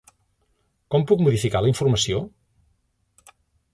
Com puc modificar la informació?